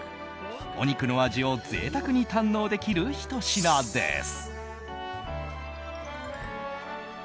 お肉の味を贅沢に堪能できるひと品です。